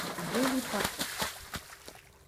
Deux ou trois fois.